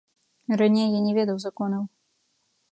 Раней я не ведаў законаў.